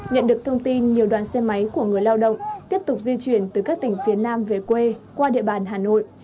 nhận được thông tin nhiều đoàn xe máy của người lao động tiếp tục di chuyển từ các tỉnh phía nam về quê qua địa bàn hà nội